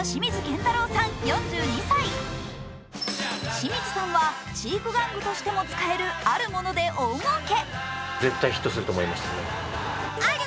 清水さんは知育玩具としても使えるあるもので大儲け。